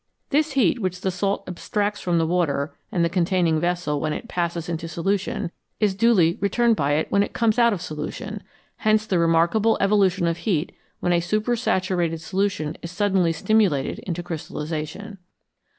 This heat which the salt abstracts from the water and the containing vessel when it passes into solution, is duly returned by it when it comes out of solution ; hence the remarkable evolution of heat when a supersaturated solution is suddenly stimulated into crystallisation.